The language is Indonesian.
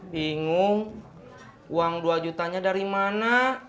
bingung uang dua jutanya dari mana